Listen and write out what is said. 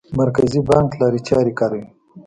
مرکزي بانک لارې چارې کاروي.